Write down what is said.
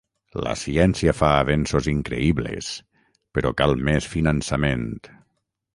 La ciència fa avenços increïbles, però cal més finançament.